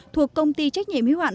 thuộc công ty trách nhiệm hữu hạn